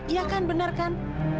ya kan benar kan